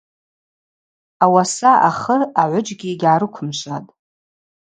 Ауаса ахы агӏвыджьгьи йыгьгӏарыквымшватӏ.